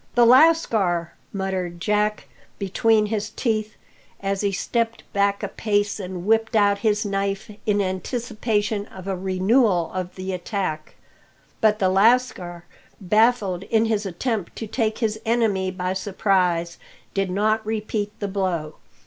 "The lascar!" muttered Jack between his teeth, as he stepped back a pace and whipped out his knife in anticipation of a renewal of the attack. But the lascar, baffled in his attempt to take his enemy by surprise, did not repeat the blow.